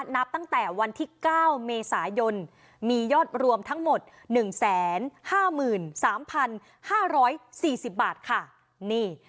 นับตั้งแต่วันที่๙เมษายนมียอดรวมทั้งหมด๑๕๓๕๔๐บาทค่ะนี่